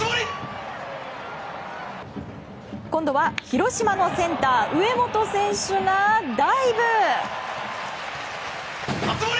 今度は広島のセンター上本選手がダイブ！